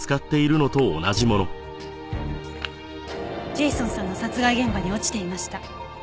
ジェイソンさんの殺害現場に落ちていました。